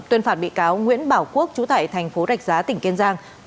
tuyên phạt bị cáo nguyễn bảo quốc chú tại thành phố rạch giá tỉnh kiên giang